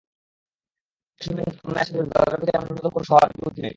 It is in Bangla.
যেসব ব্যাংকার অন্যায়ের সঙ্গে জড়িত, তাঁদের প্রতি আমাদের ন্যূনতম কোনো সহানুভূতি নেই।